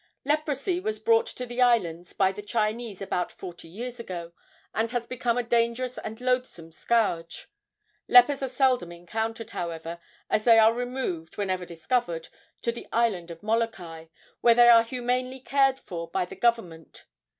Leprosy was brought to the islands by the Chinese about forty years ago, and has become a dangerous and loathsome scourge. Lepers are seldom encountered, however, as they are removed, whenever discovered, to the island of Molokai, where they are humanely cared for by the government.